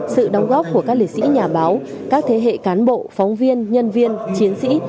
sự đóng góp của các liệt sĩ nhà báo các thế hệ cán bộ phóng viên nhân viên chiến sĩ